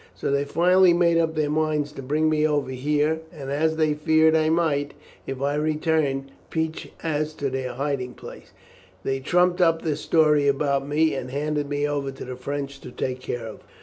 So they finally made up their minds to bring me over here, and as they feared I might, if I returned, peach as to their hiding place, they trumped up this story about me, and handed me over to the French to take care of."